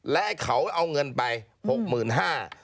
และเขาเอาเงินไป๖๕๐๐บาท